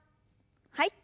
はい。